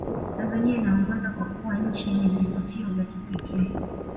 tanzania inaongoza kwa kuwa nchi yenye vivutio vya kipekee